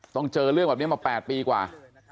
เจอเรื่องแบบนี้มา๘ปีกว่า